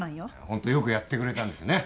ホントよくやってくれたんですよね。